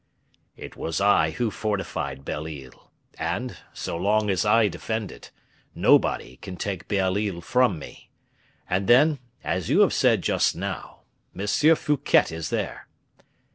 "It was I who fortified Belle Isle; and, so long as I defend it, nobody can take Belle Isle from me. And then, as you have said just now, M. Fouquet is there.